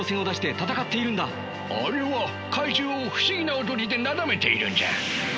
あれは怪獣を不思議な踊りでなだめているんじゃ。